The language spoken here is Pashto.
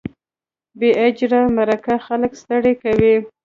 بې اجره مرکې خلک ستړي کوي.